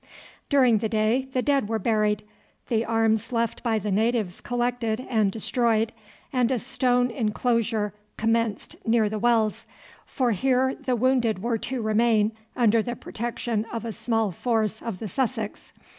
During the day the dead were buried, the arms left by the natives collected and destroyed, and a stone inclosure commenced near the wells, for here the wounded were to remain under the protection of a small force of the Sussex.